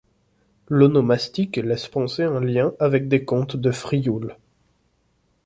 L'onomastique laisse penser un lien avec des comtes de Frioul.